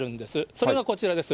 それがこちらです。